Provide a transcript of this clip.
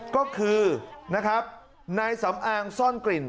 ก็คือนายสำอ้างซ่อนกลิ่นเขาเป็นใคร